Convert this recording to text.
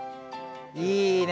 いいね。